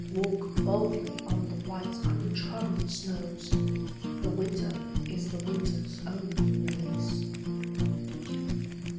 Walk boldly on the white untrodden snows, The winter is the winter's own release.